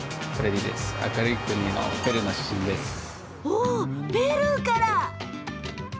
おお、ペルーから。